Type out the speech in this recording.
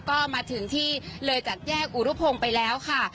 ก็มาถึงที่เลยจากแยกอุรุพงศ์ไปแล้วค่ะ